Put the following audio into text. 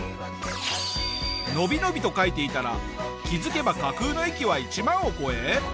のびのびと描いていたら気づけば架空の駅は１万を超え。